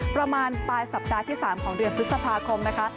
ประมาณปลายสัปดาห์ที่๓ของเดือนพฤษภาคมนะคะ